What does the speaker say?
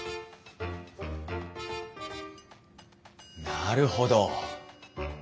なるほど。